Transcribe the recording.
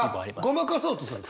ごまかそうとするの？